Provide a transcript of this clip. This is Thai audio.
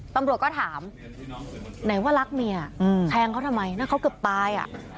ตำรวจก็ถามไหนว่ารักเมียแทงเขาทำไมนั่นเขาเกือบตายอ่ะ